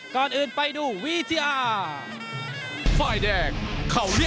ก่อนอื่นไปดูวีเจอร์